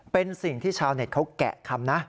เป็นสิ่งที่ชาวเน็ตเขาแกะคำนะ